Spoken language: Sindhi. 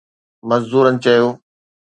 مزدورن چيو